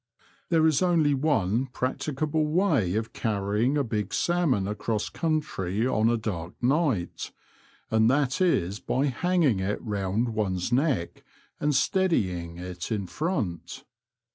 There is only one practicable way of carrying a big salmon across country on a dark night, and that is by hanging it round one's neck and steadying it in front.